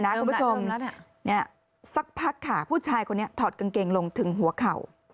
คุณผู้ชมสักพักค่ะผู้ชายคนนี้ถอดกางเกงลงถึงหัวเข่า